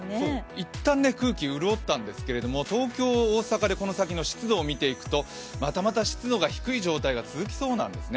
一旦、空気潤ったんですけれども東京、大阪のこの先の湿度を見ていくとまたまた湿度が低い状態が続きそうなんですね。